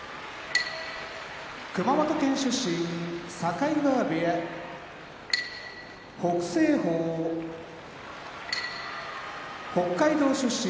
熊本県出身境川部屋北青鵬北海道出身